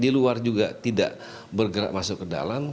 di luar juga tidak bergerak masuk ke dalam